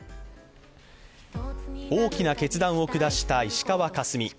大きな決断を下した石川佳純。